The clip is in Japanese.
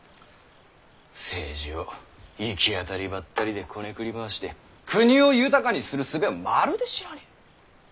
政治を行き当たりばったりでこねくり回して国を豊かにするすべをまるで知らねぇ。